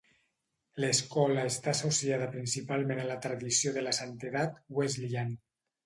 L'escola està associada principalment a la tradició de la santedat Wesleyan.